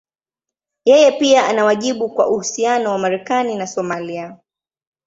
Yeye pia ana wajibu kwa uhusiano wa Marekani na Somalia.